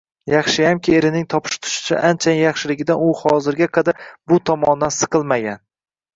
Yaxshiyamki, erining topish-tutishi anchayin yaxshiligidan u hozirga qadar bu tomondan siqilmagan